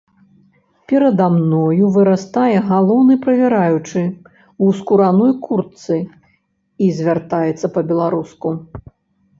Перада мною вырастае галоўны правяраючы ў скураной куртцы і звяртаецца па-беларуску.